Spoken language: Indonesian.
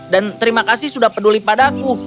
dan terima kasih sudah peduli padaku